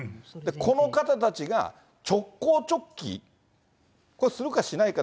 この方たちが直行直帰、これ、するかしないか。